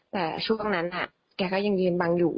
แต่ช่วงตรงนั้นแกก็ยังยืนบังอยู่